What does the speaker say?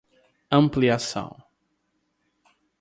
ampliação